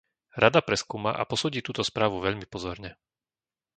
Rada preskúma a posúdi túto správu veľmi pozorne.